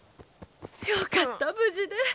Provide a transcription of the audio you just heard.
よかった無事で。